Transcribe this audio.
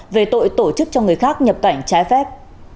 về tội tổ chức cho người khác nhập cảnh trái phép